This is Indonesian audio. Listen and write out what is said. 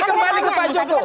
kembali ke pak jokowi